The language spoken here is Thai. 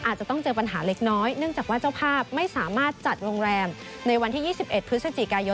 อาจจะต้องเจอปัญหาเล็กน้อยเนื่องจากว่าเจ้าภาพไม่สามารถจัดโรงแรมในวันที่๒๑พฤศจิกายน